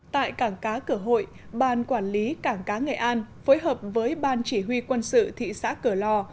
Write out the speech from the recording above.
tại cảng cá cửa hội ban quản lý cảng cá nghệ an phối hợp với ban chỉ huy quân sự thị xã cửa lò